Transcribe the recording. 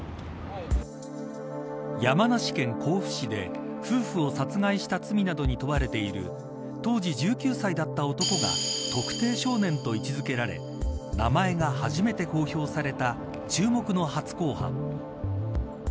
山梨県甲府市で夫婦を殺害した罪などに問われている当時１９歳だった男が特定少年と位置付けられ名前が初めて公表された注目の初公判。